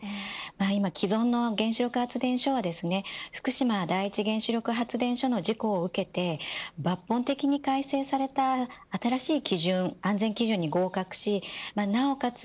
今既存の原子力発電所は福島第一原子力発電所の事故を受けて抜本的に改正された新しい安全基準に合格しなおかつ